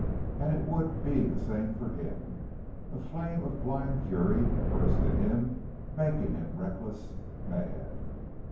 And it would be the same for him! A flame of blind fury burst in him, making him reckless; mad.